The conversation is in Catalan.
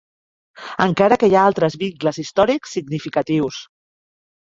Encara que hi ha altres vincles històrics significatius.